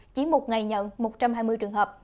chỉ một ngày nhận một trăm hai mươi trường hợp